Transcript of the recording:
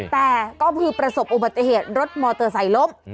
แต่ก็คือประสบอุบัติเหตุรถมอเตอร์ไซค์ล้ม